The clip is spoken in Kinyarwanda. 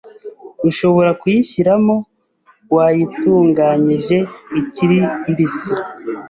ushobora kuyishyiramo wayitunganyije ikiri mbisi